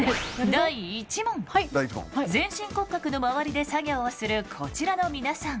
第１問全身骨格の周りで作業をするこちらの皆さん